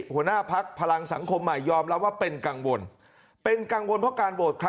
๘๒หัวหน้าพักพลังสังคมมายอบแล้วว่าเป็นกังวลเป็นกังวลพัก